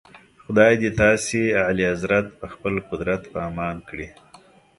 خدای دې تاسي اعلیحضرت په خپل قدرت په امان کړي.